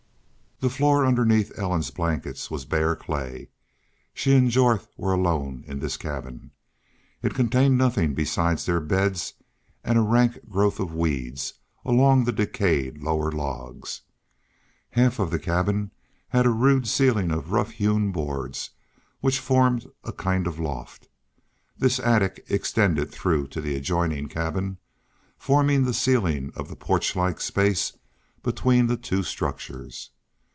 The floor underneath Ellen's blankets was bare clay. She and Jorth were alone in this cabin. It contained nothing besides their beds and a rank growth of weeds along the decayed lower logs. Half of the cabin had a rude ceiling of rough hewn boards which formed a kind of loft. This attic extended through to the adjoining cabin, forming the ceiling of the porch like space between the two structures.